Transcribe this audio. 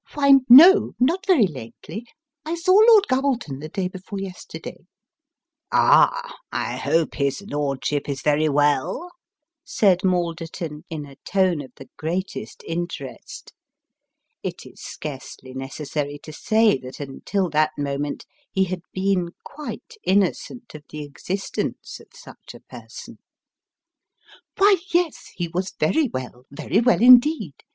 " Why, no not very lately. I saw Lord Gubbleton the day before yesterday." " Ah ! I hope his lordship is very well ?" said Malderton, in a tone of the greatest interest. It is scarcely necessary to say that, until that moment, he had been quite innocent of the existence of such a person. " Why, yes ; he was very well very well indeed.